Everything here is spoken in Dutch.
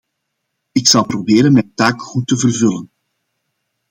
Ik zal proberen mijn taak goed te vervullen.